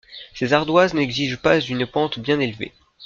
Ces ardoises n'exigent pas une pente bien élevée.